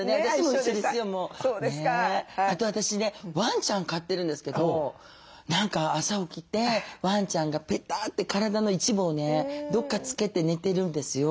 あと私ねワンちゃん飼ってるんですけど何か朝起きてワンちゃんがペターッて体の一部をねどっか付けて寝てるんですよ。